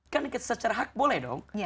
kan secara hak boleh dong